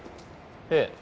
ええ。